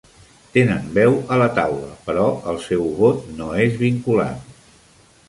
Tenen veu a la taula però el seu vot no és vinculant.